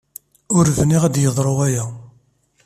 Ur bniɣ ad d-yeḍru waya.